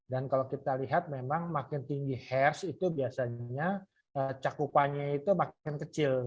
dan kalau kita lihat memang makin tinggi hertz itu biasanya cakupannya itu makin kecil